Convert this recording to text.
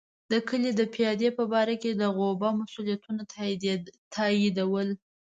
د کلي د پادې په باره کې د غوبه مسوولیتونه تاییدول.